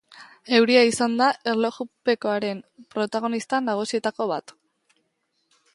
Euria izan da erlojupekoaren protagonista nagusietako bat.